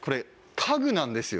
家具なんですよ